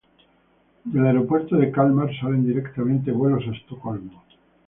Del aeropuerto de Kalmar salen diariamente vuelos a Estocolmo.